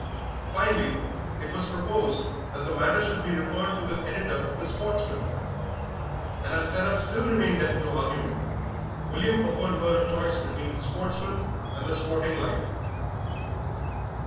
Finally, it was proposed that the matter should be referred to the editor of the Sportsman; and as Sarah still remained deaf to argument, William offered her choice between the Sportsman and the Sporting Life.